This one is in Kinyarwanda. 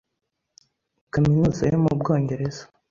kaminuza yo mu Bwongereza